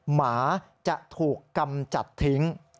หมาจะถูกกำจัดทิ้ง